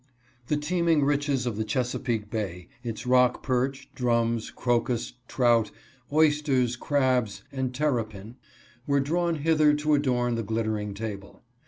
The teeming riches of the Chesa peake Bay, its rock perch, drums, crocus, trout, oysters, crabs, and terrapin were drawn hither to adorn the glitter ing table.